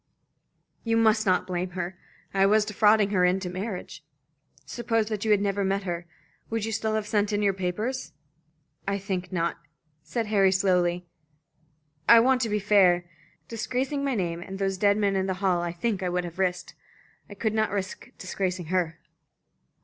"You must not blame her. I was defrauding her into marriage." Sutch took his hand suddenly from his forehead. "Suppose that you had never met her, would you still have sent in your papers?" "I think not," said Harry, slowly. "I want to be fair. Disgracing my name and those dead men in the hall I think I would have risked. I could not risk disgracing her."